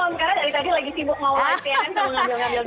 karena dari tadi lagi sibuk ngobrol